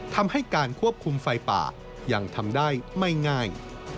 ทำให้การควบคุมไฟป่ายังทำได้ไม่ง่าย